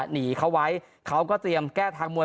หนีเขาไว้เขาก็เตรียมแก้ทางมวย